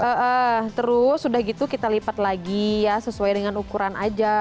nah terus sudah gitu kita lipat lagi ya sesuai dengan ukuran aja